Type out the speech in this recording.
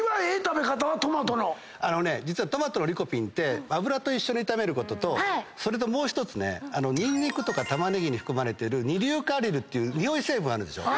実はトマトのリコピンって油と一緒に炒めることとそれともう１つねニンニクとかタマネギに含まれてる二硫化アリルっていうにおい成分あるでしょ。